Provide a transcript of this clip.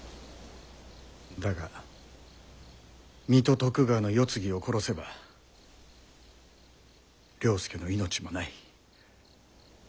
だが水戸徳川の世継ぎを殺せば了助の命もない。